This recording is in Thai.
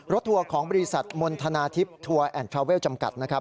รถทัวร์ของบริษัทมณฑณาทิพย์ทัวร์ทราเวล์จำกัด